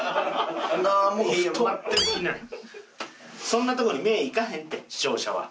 そんなとこに目いかへんって視聴者は。